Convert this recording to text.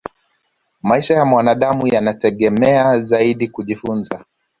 maisha ya mwanadamu yanategemea zaidi kujifunza